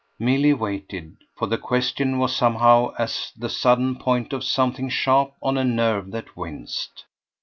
Milly waited, for the question was somehow as the sudden point of something sharp on a nerve that winced.